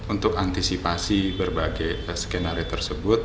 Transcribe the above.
untuk antisipasi berbagai skenario tersebut